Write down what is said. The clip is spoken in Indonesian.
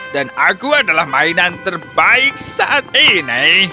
dan aku adalah mainan terbaik saat ini